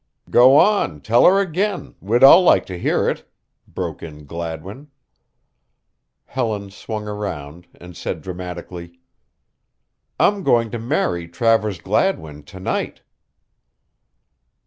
"Go on, tell her again we'd all like to hear it," broke in Gladwin. Helen swung around and said dramatically: "I'm going to marry Travers Gladwin to night."